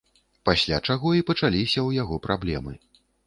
Пасля чаго і пачаліся ў яго праблемы.